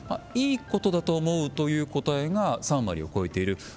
いいことだと思うという答えが３割を超えている。